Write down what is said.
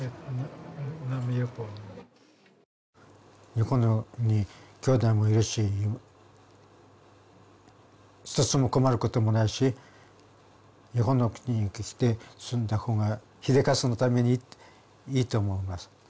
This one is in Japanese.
日本にきょうだいもいるし一つも困ることもないし日本に来て住んだ方が英捷のためにいいと思います